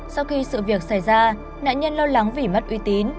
sau khi sự việc xảy ra nạn nhân lo lắng vì mất uy tín